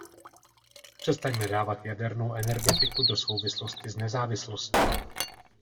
Přestaňme dávat jadernou energetiku do souvislosti s nezávislostí!